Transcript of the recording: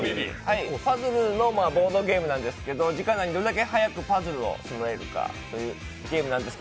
パズルのボードゲームなんですけど、時間内にどれだけ速くパズルをそろえられるか、というゲームです。